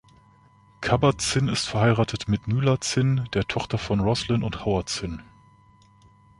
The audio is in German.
Kabat-Zinn ist verheiratet mit Myla Zinn, der Tochter von Roslyn und Howard Zinn.